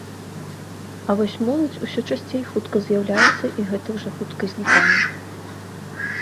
А вось моладзь усё часцей хутка з'яўляецца і гэтак жа хутка знікае.